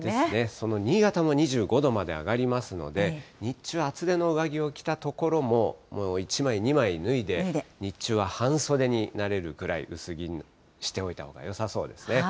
その新潟も２５度まで上がりますので、日中は厚手の上着を着た所も、もう１枚、２枚、脱いで、日中は半袖になれるぐらい、薄着にしておいたほうがよさそうですね。